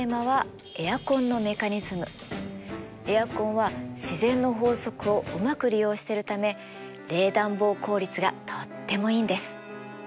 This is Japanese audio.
エアコンは自然の法則をうまく利用してるため冷暖房効率がとってもいいんです。